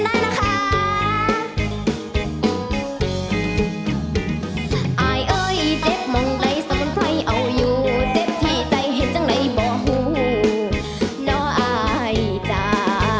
อายเอ้ยเจ็บมองไกลสนใจเอาอยู่เจ็บที่ใจเห็นจังในบ่อหูน้อยอายจ้า